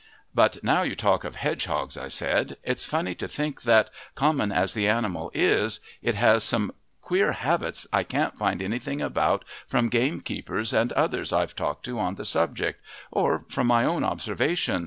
"But now you talk of hedgehogs," I said, "it's funny to think that, common as the animal is, it has some queer habits I can't find anything about from gamekeepers and others I've talked to on the subject, or from my own observation.